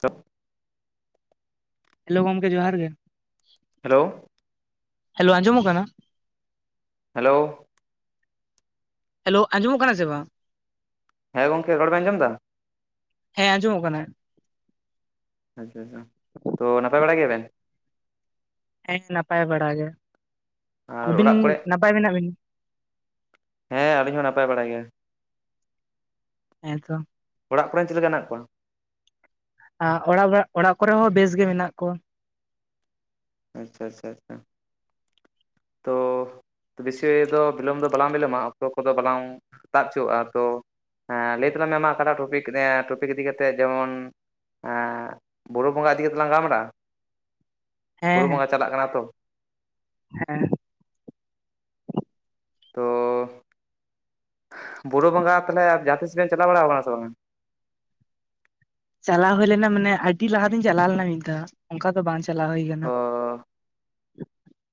ᱛᱚ ᱦᱮᱞᱳ ᱜᱚᱢᱠᱮ ᱡᱚᱦᱟᱨ ᱜᱮ ᱦᱮᱞᱳᱣ ᱦᱮᱞᱳ ᱟᱸᱡᱚᱢ ᱚᱜ ᱠᱟᱱᱟ ᱦᱮᱞᱳ ᱦᱮᱞᱳ ᱟᱸᱡᱚᱢᱚᱜ ᱠᱟᱱᱟ ᱥᱮ ᱵᱟᱝ ᱦᱮᱸ ᱜᱚᱢᱠᱮ ᱨᱚᱲ ᱵᱮᱱ ᱟᱸᱡᱚᱢ ᱫᱟ ᱦᱮᱸ ᱟᱸᱡᱚᱢᱚᱜ ᱠᱟᱱᱟ ᱟᱪᱪᱷᱟ ᱟᱪᱪᱷᱟ ᱛᱚ ᱱᱟᱯᱟᱭ ᱵᱟᱲᱟ ᱜᱮᱭᱟ ᱵᱮᱱ ᱦᱮᱸ ᱱᱟᱯᱟᱭ ᱵᱟᱲᱟ ᱜᱮ ᱟᱨ ᱟᱹᱵᱤᱱ ᱚᱲᱟᱜ ᱠᱚᱨᱮ ᱱᱟᱯᱟᱭ ᱢᱮᱱᱟᱜ ᱵᱤᱱ ᱦᱮᱸ ᱟᱹᱞᱤᱧ ᱦᱚᱸ ᱱᱟᱯᱟᱭ ᱵᱟᱲᱟ ᱜᱮ ᱦᱮᱸᱛᱚ ᱚᱲᱟᱜ ᱠᱚᱨᱮᱱ ᱪᱮᱫ ᱞᱮᱠᱟ ᱦᱮᱱᱟᱜ ᱠᱚᱣᱟ ᱮ ᱚᱲᱟᱜ ᱚᱲᱟᱜ ᱠᱚᱨᱮ ᱦᱚᱸ ᱵᱮᱥ ᱜᱮ ᱢᱮᱱᱟᱜ ᱠᱚᱣᱟ ᱟᱪᱪᱷᱟ ᱟᱪᱪᱷᱟ ᱟᱪᱪᱷᱟ ᱛᱚ ᱵᱮᱥᱤ ᱫᱚ ᱵᱤᱞᱚᱢ ᱫᱚ ᱵᱟᱞᱟᱝ ᱵᱤᱞᱚᱢᱟ ᱚᱠᱛᱚ ᱠᱚᱫᱚ ᱵᱟᱞᱟᱝ ᱛᱟᱜ ᱦᱚᱪᱚᱣᱟᱜᱼᱟ ᱛᱚ ᱦᱮᱸ ᱞᱟᱹᱭ ᱛᱟᱞᱟᱝ ᱢᱮ ᱢᱟ ᱚᱠᱟᱴᱟᱜ ᱴᱚᱯᱤᱠ ᱴᱚᱯᱤᱠ ᱤᱫᱤ ᱠᱟᱛᱮᱫ ᱡᱮᱢᱚᱱ ᱮ ᱵᱩᱨᱩ ᱵᱚᱸᱜᱟ ᱤᱫᱤ ᱠᱟᱛᱮ ᱞᱟᱝ ᱜᱟᱞᱢᱟᱨᱟᱜᱼᱟ ᱦᱮᱸ ᱵᱩᱨᱩ ᱦᱮᱸ ᱵᱚᱸᱜᱟ ᱪᱟᱞᱟᱜ ᱠᱟᱱᱟ ᱛᱚ ᱦᱮᱸ ᱛᱚ ᱵᱩᱨᱩ ᱵᱚᱸᱜᱟ ᱛᱟᱦᱚᱞᱮ ᱡᱟᱦᱟᱸ ᱛᱤᱥ ᱵᱮᱱ ᱪᱟᱞᱟᱣ ᱵᱟᱲᱟ ᱟᱠᱟᱱᱟ ᱥᱮ ᱵᱟᱝ ᱪᱟᱞᱟᱣ ᱦᱩᱭ ᱞᱮᱱᱟ ᱢᱟᱱᱮ ᱟᱹᱰᱤ ᱞᱟᱦᱟ ᱛᱤᱧ ᱪᱟᱞᱟᱣ ᱞᱮᱱᱟ ᱢᱤᱫ ᱫᱷᱟᱣ ᱚᱱᱠᱟ ᱫᱚ ᱵᱟᱝ ᱪᱟᱞᱟᱣ ᱦᱩᱭ ᱠᱟᱱᱟ ᱚ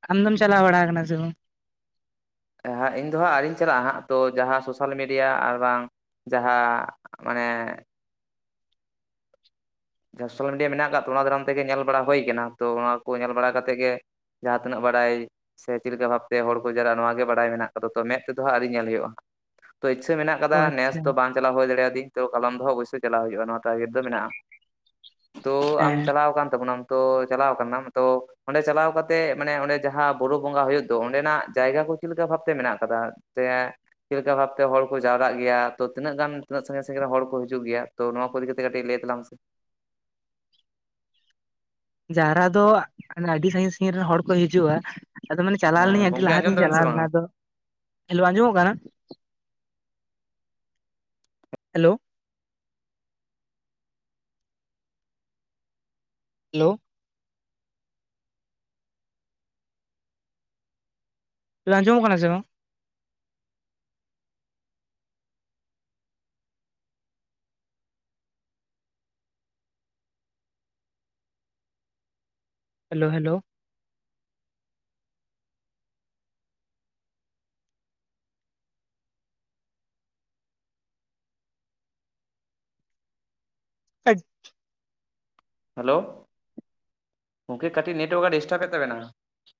ᱟᱢ ᱫᱚᱢ ᱪᱟᱞᱟᱣ ᱵᱟᱲᱟ ᱟᱠᱟᱱᱟ ᱥᱮ ᱵᱟᱝ ᱦᱟᱜ ᱤᱧ ᱫᱚ ᱦᱟᱜ ᱟᱣᱨᱤᱧ ᱪᱟᱞᱟᱜᱼᱟ ᱦᱟᱸᱜ ᱛᱳ ᱡᱟᱦᱟᱸ ᱥᱳᱥᱟᱞ ᱢᱤᱰᱤᱭᱟ ᱟᱨ ᱵᱟᱝ ᱡᱟᱦᱟᱸ ᱢᱟᱱᱮ ᱥᱳᱥᱟᱞ ᱢᱤᱰᱤᱭᱟ ᱢᱮᱱᱟᱜ ᱠᱟᱫ ᱛᱚ ᱚᱱᱟ ᱫᱟᱨᱟᱢ ᱛᱮᱜᱮ ᱧᱮᱞ ᱵᱟᱲᱟ ᱦᱩᱭ ᱠᱟᱱᱟ ᱛᱚ ᱚᱱᱟ ᱠᱚ ᱧᱮᱞ ᱵᱟᱲᱟ ᱠᱟᱛᱮ ᱜᱮ ᱡᱟᱦᱟᱸ ᱛᱤᱱᱟᱹᱜ ᱵᱟᱰᱟᱭ ᱥᱮ ᱪᱮᱫ ᱞᱮᱠᱟ ᱵᱷᱟᱵᱽᱛᱮ ᱦᱚᱲ ᱠᱚ ᱡᱟᱣᱨᱟᱜᱼᱟ ᱱᱚᱣᱟᱜ ᱜᱮ ᱵᱟᱲᱟᱭ ᱢᱮᱱᱟᱜ ᱠᱟᱫᱟ ᱛᱚ ᱢᱮᱫ ᱛᱮᱫᱚ ᱦᱟᱸᱜ ᱟᱶᱨᱤ ᱧᱮᱞ ᱦᱳᱭᱳᱜ - ᱟ ᱛᱚ ᱤᱪᱪᱷᱟᱹ ᱢᱮᱱᱟᱜ ᱚ ᱠᱟᱫᱟ ᱱᱮᱥ ᱟᱪᱪᱷᱟ ᱫᱚ ᱵᱟᱝ ᱪᱟᱞᱟᱣ ᱦᱩᱭ ᱫᱟᱲᱮᱭᱟᱫᱟᱹᱧ ᱛᱚ ᱠᱟᱞᱚᱢ ᱫᱚ ᱚᱵᱚᱥᱥᱭ ᱪᱟᱞᱟᱣ ᱦᱩᱭᱩᱜᱼᱟ ᱱᱚᱣᱟ ᱴᱟᱨᱜᱮᱴ ᱫᱚ ᱢᱮᱱᱟᱜᱼᱟ ᱛᱚ ᱟᱢ ᱦᱮᱸ ᱪᱟᱞᱟᱣ ᱟᱠᱟᱱ ᱛᱟᱵᱚᱱᱟᱢ ᱛᱚ ᱪᱟᱞᱟᱣ ᱠᱟᱱᱟᱢ ᱛᱚ ᱚᱸᱰᱮ ᱪᱟᱞᱟᱣ ᱠᱟᱛᱮᱜ ᱢᱟᱱᱮ ᱚᱸᱰᱮ ᱡᱟᱦᱟᱸ ᱵᱩᱨᱩ ᱵᱚᱸᱜᱟ ᱦᱩᱭᱩᱜ ᱫᱚ ᱚᱸᱰᱮᱱᱟᱜ ᱡᱟᱭᱜᱟ ᱠᱚ ᱪᱮᱫᱞᱮ ᱞᱮᱠᱟ ᱵᱷᱟᱵᱛᱮ ᱢᱮᱱᱟᱜ ᱟᱠᱟᱫᱟ ᱥᱮᱭᱟᱜᱻ ᱪᱮᱫᱞᱮᱠᱟ ᱵᱷᱟᱵ ᱛᱮ ᱦᱚᱲ ᱠᱚ ᱡᱟᱹᱣᱨᱟᱜ ᱜᱮᱭᱟ ᱛᱚ ᱛᱤᱱᱟᱜ ᱜᱟᱱ ᱛᱤᱱᱟᱜ ᱥᱟᱹᱜᱤᱧ ᱥᱟᱹᱜᱤᱧ ᱦᱚᱲ ᱠᱚ ᱦᱤᱡᱩᱜ ᱜᱮᱭᱟᱚ ᱱᱚᱣᱟ ᱠᱚ ᱤᱫᱤ ᱠᱟᱛᱮ ᱠᱟᱹᱴᱤᱡ ᱞᱟᱹᱭ ᱛᱟᱞᱟᱝ ᱥᱮ ᱡᱟᱣᱨᱟ ᱫᱚ ᱟᱹᱰᱤ ᱥᱟᱹᱸᱜᱤᱧ ᱥᱟᱺᱜᱤᱧ ᱨᱮᱱ ᱦᱚᱲ ᱠᱚ ᱦᱤᱡᱩᱜᱼᱟ ᱟᱫᱚ ᱢᱟᱱᱮ ᱪᱟᱞᱟᱣ ᱞᱮᱱᱟᱧ ᱦᱮᱸ ᱟᱹᱰᱤ ᱜᱚᱝᱠᱮ ᱟᱸᱡᱚᱢ ᱞᱟᱦᱟᱛᱤᱧ ᱫᱟᱵᱮᱱ ᱥᱮ ᱪᱟᱞᱟᱣ ᱵᱟᱝᱟ ᱞᱮᱱᱟ ᱟᱫᱚ ᱦᱮᱞᱳ ᱟᱸᱡᱚᱢᱚᱜ ᱠᱟᱱᱟ ᱦᱮᱞᱳ ᱦᱮᱞᱳ ᱟᱧᱡᱚᱢᱜ ᱠᱟᱱᱟ ᱥᱮ ᱵᱟᱝ? ᱦᱮᱞᱳ ᱦᱮᱞᱳ [unintelligible] ᱦᱮᱞᱳ ᱜᱚᱢᱠᱮ ᱠᱟᱹᱴᱤᱡ ᱱᱮᱴ ᱚᱣᱟᱨᱠ ᱰᱤᱥᱴᱟᱵᱮᱫ ᱛᱟᱵᱮᱱᱟ